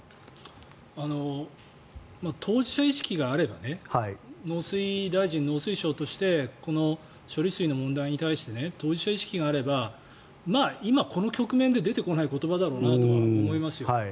当事者意識があればね農水大臣、農水省としてこの処理水の問題に対して当事者意識があれば今この局面で出てこない言葉だろうなと思いますよ。